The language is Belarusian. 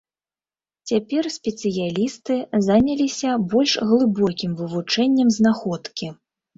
Цяпер спецыялісты заняліся больш глыбокім вывучэннем знаходкі.